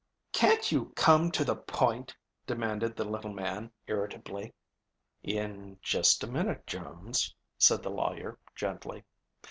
"Can't you come to the point?" demanded the little man irritably. "In just a minute, Jones," said the lawyer gently.